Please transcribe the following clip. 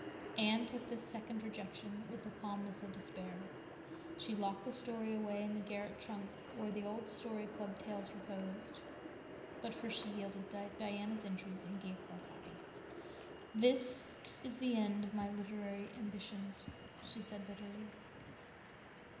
Anne took this second rejection with the calmness of despair. She locked the story away in the garret trunk where the old Story Club tales reposed; but first she yielded to Diana's entreaties and gave her a copy. "This is the end of my literary ambitions," she said bitterly.